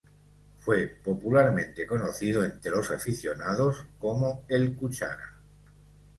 Fue popularmente conocido entre los aficionados como "el cuchara".